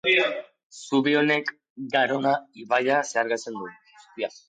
Zubi honek Garona ibaia zeharkatzen du.